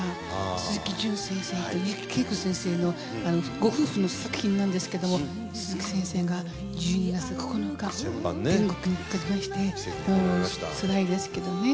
鈴木淳先生と悠木圭子先生のご夫婦の作品なんですけれども鈴木先生が１２月９日天国に逝かれましてもうつらいですけどね。